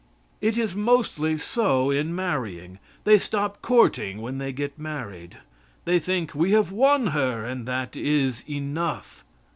It is mostly so in marrying. They stop courting when they get married. They think, we have won her and that is enough.